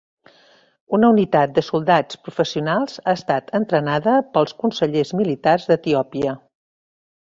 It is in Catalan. Una unitat de soldats professionals ha estat entrenada pels consellers militars d'Etiòpia.